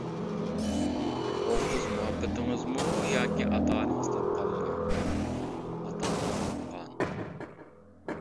-ئۇ قىز مۇھەببىتىڭىزمۇ ياكى ئاتا-ئانىڭىز تاپقانمۇ؟ -ئاتا-ئانام تاپقان.